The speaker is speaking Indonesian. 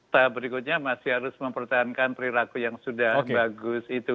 tahap berikutnya masih harus mempertahankan perilaku yang sudah bagus itu